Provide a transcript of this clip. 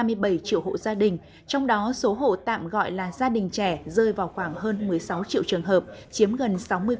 năm hai nghìn hai mươi hai cả nước có gần hai mươi bảy triệu hộ gia đình trong đó số hộ tạm gọi là gia đình trẻ rơi vào khoảng hơn một mươi sáu triệu trường hợp chiếm gần sáu mươi